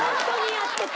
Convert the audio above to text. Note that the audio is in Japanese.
やってた。